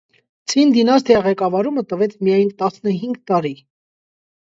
Ցին դինաստիա ղեկավարումը տվեց միայն տասնհինգ տարի։